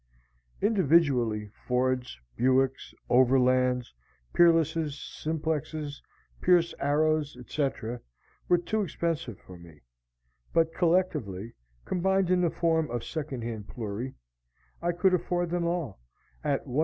Individually Fords, Buicks, Overlands, Peerlesses, Simplexes, Pierce Arrows, etc., were too expensive for me; but collectively, combined in the form of second hand Plury, I could afford them all, at $132.